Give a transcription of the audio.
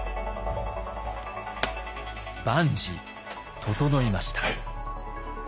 万事整いました。